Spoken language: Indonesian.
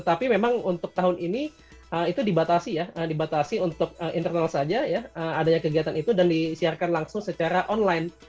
tapi memang untuk tahun ini itu dibatasi ya dibatasi untuk internal saja ya adanya kegiatan itu dan disiarkan langsung secara online